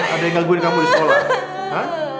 ada yang ngangguin kamu di sekolah